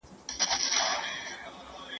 ده ادعا وکړه چې دغه مشر په نړۍ کې سوله راوستې ده.